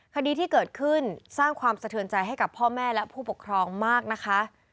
คดีที่เกิดขึ้นสร้างความสะเทือนใจให้กับพ่อแม่และผู้ปกครองมากนะคะ